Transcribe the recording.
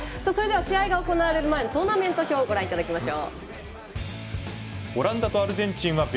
それでは試合が行われる前のトーナメント表をご覧いただきましょう。